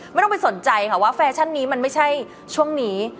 ไม่ต้องไปสนใจค่ะว่าแฟชั่นนี้มันไม่ใช่ช่วงนี้